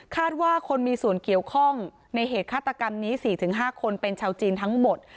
ว่าคนมีส่วนเกี่ยวข้องในเหตุฆาตกรรมนี้๔๕คนเป็นชาวจีนทั้งหมด